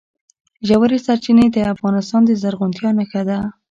ژورې سرچینې د افغانستان د زرغونتیا نښه ده.